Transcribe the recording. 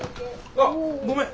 あっごめん！